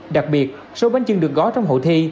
đặc biệt sôi bánh chưng được gói trong hội thi